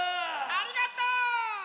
ありがとう！